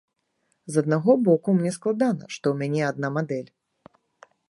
З аднаго боку мне складана, што ў мяне адна мадэль.